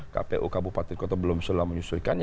kpu kabupaten kota belum selesai menyelesaikannya